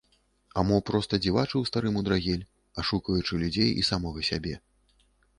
А мо проста дзівачыў стары мудрагель, ашукваючы людзей і самога сябе?